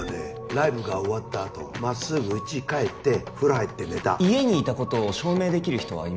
ライブが終わったあと真っすぐうち帰って風呂入って寝た家にいたことを証明できる人は？